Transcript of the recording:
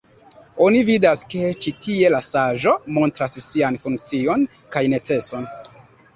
Oni vidas ke ĉi tie la saĝo montras sian funkcion kaj neceson.